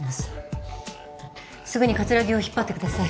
すぐに葛城を引っ張ってください。